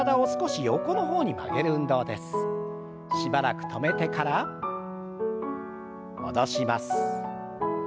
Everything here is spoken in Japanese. しばらく止めてから戻します。